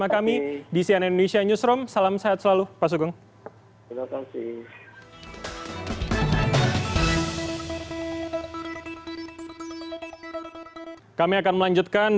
kalau sebelumnya kan